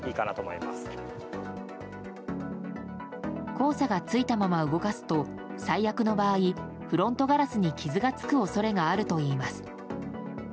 黄砂がついたまま動かすと最悪の場合フロントガラスに傷がつく恐れがあるといいます。